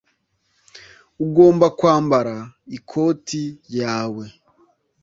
Ugomba kwambara ikoti yawe.